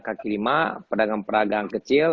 kk lima pedagang peragangan kecil